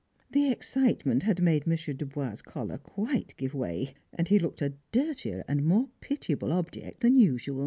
The excitement had made Monsieur Dubois' collar quite give way, and he looked a dirtier and more pitiable object than usual.